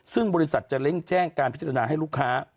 ซึ่งบริษัทจะเร่งแจ้งการพิจารณาให้ลูกค้า